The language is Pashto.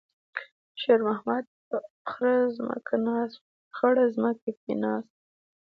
شېرمحمد په خړه ځمکه کېناست.